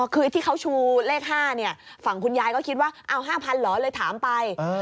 คือที่เขาชูเลข๕ฝั่งคุณยายก็คิดว่าเอา๕๐๐เหรอเลยถามไป